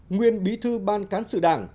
nguyên bí thư ban cán sự đảng